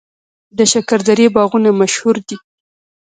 د شکردرې باغونه مشهور دي